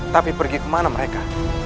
tapi pergi kemana mereka